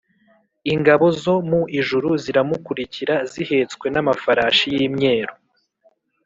Ingabo zo mu ijuru ziramukurikira zihetswe n’amafarashi y’imyeru,